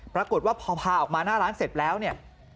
ปรากฏว่าพอพาออกมาหน้าร้านเสร็จแล้วเนี่ย